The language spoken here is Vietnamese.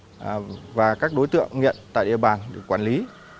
tình hình địa bàn và các đối tượng nghiện tại địa bàn được quản lý